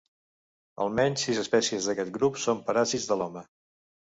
Almenys sis espècies d'aquest grup són paràsits de l'home.